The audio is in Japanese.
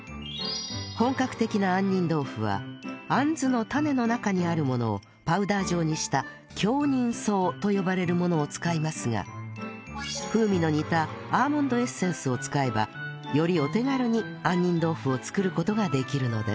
本格的な杏仁豆腐はアンズの種の中にあるものをパウダー状にした「杏仁霜」と呼ばれるものを使いますが風味の似たアーモンドエッセンスを使えばよりお手軽に杏仁豆腐を作る事ができるのです